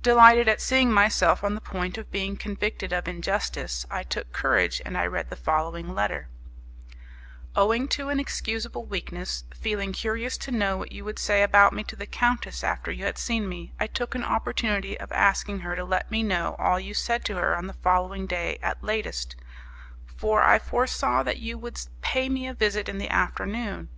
Delighted at seeing myself on the point of being convicted of injustice, I took courage, and I read the following letter: "Owing to an excusable weakness, feeling curious to know what you would say about me to the countess after you had seen me, I took an opportunity of asking her to let me know all you said to her on the following day at latest, for I foresaw that you would pay me a visit in the afternoon.